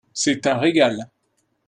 C'est un régal !